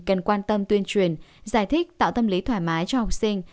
cần quan tâm tuyên truyền giải thích tạo tâm lý thoải mái cho học sinh